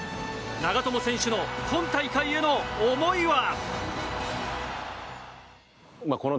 長友選手の今大会への思いは？